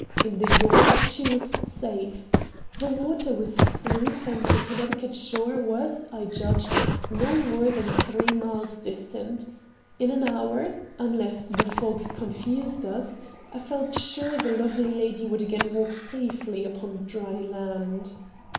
In the yawl she was safe. The water was smooth, and the Connecticut shore was, I judged, not more than three miles distant. In an hour, unless the fog confused us, I felt sure the lovely lady would again walk safely upon dry land.